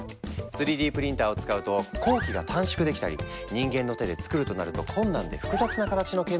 ３Ｄプリンターを使うと工期が短縮できたり人間の手でつくるとなると困難で複雑な形の建造物ができたりするんだ。